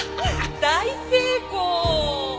大成功！